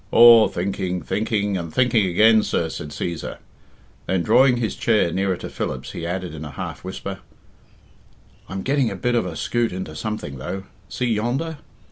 "Aw, thinking, thinking, and thinking again, sir," said Cæsar. Then, drawing his chair nearer to Philip's, he added, in a half whisper, "I'm getting a bit of a skute into something, though. See yonder?